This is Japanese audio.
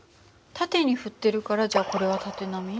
縦に振ってるからじゃあこれは縦波？